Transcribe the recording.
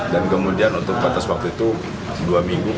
dan kemudian untuk batas waktu itu dua minggu gitu